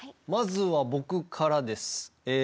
まずは僕からです。